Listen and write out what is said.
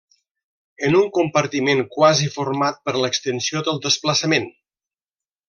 En un compartiment quasi format per l'extensió del desplaçament.